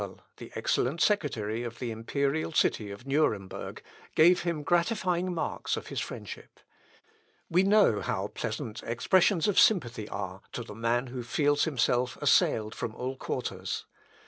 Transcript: Christopher Scheurl, the excellent secretary of the imperial city of Nuremberg, gave him gratifying marks of his friendship. We know how pleasant expressions of sympathy are to the man who feels himself assailed from all quarters.